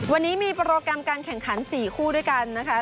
วันนี้มีโปรแกรมการแข่งขัน๔คู่ด้วยกันนะคะ